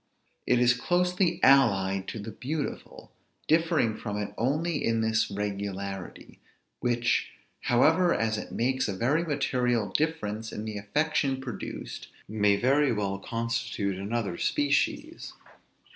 It is closely allied to the beautiful, differing from it only in this regularity; which, however, as it makes a very material difference in the affection produced, may very well constitute another species.